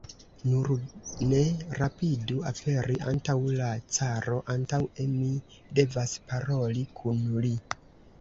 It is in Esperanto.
Nur ne rapidu aperi antaŭ la caro, antaŭe mi devas paroli kun li.